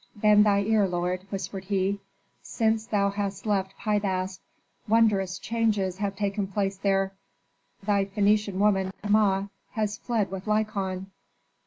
"Bend thy ear, lord," whispered he. "Since thou hast left Pi Bast wondrous changes have taken place there. Thy Phœnician woman, Kama, has fled with Lykon."